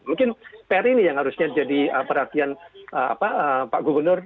mungkin pr ini yang harusnya jadi perhatian pak gubernur